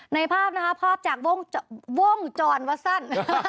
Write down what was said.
ในภาพนะคะภาพจากวงจรวัสสั้น